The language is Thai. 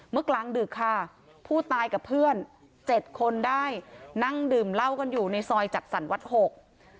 กลางดึกค่ะผู้ตายกับเพื่อนเจ็ดคนได้นั่งดื่มเหล้ากันอยู่ในซอยจัดสรรวัดหก